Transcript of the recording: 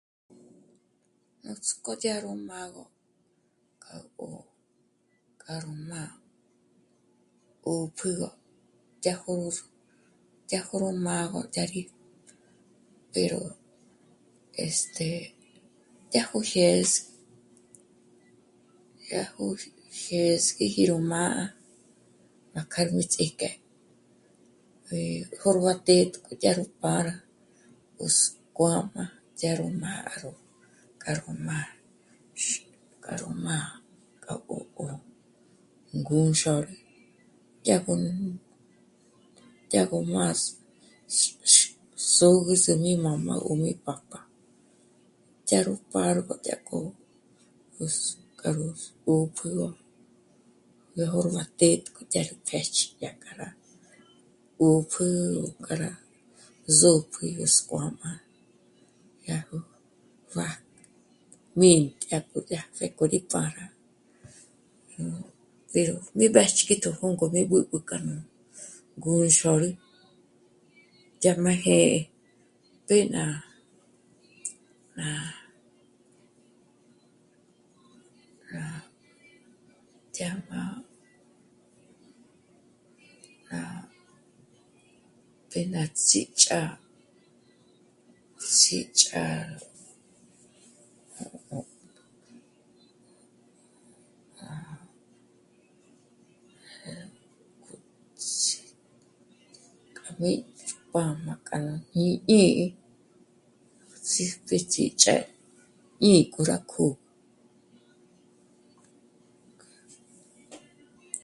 Nuts'k'ó yá ró má gó... k'a... ó... k'a ró má... 'ö́pjügö dyá jó'o ró... dyá jó'o ró má gó dyéri pero... este... yá gó jyés... yá gó jyés'eji ró má... má kja mí ts'íjk'e, eh... jôrba té'e yá nú pá'a rá 'óskuájm'a yá ró má'a, ró k'a ró má x... k'a ró má... k'a 'ó'o... ngûnxôrü... dyá gó... dyá gó más... x... xôb'üzü ñímü'bö mí pájk'a. Dyá gó pá'a ró k'o 'úsk'arús ö́pjügö, ngé jôrba té dyá rú pjë́ch'i yá k'a rá 'ö́pjü ó nk'árá zôpjü yó 'óskuájm'a... dyá gó pa... juǐñi nk'o dyájk'ü pjék'ó rí pá'a rá, pero ní mbéxk'itjo jókò k'a nú ngûndzhôrü yájm'a jë́'ë té ná... ná... rá dyá'm'a... rá... p'e ná sî'ch'a, s'î'ch'a ó... ó... k'a mí juā̌jmā k'a nú ñí'ǐ'i xíjpji s'îjch'e ñí'i k'u rá k'ó'o